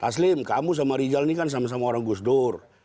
taslim kamu sama rizal ini kan sama sama orang gusdur